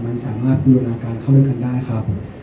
มันสามารถบูรณาการเข้าด้วยกันได้ครับ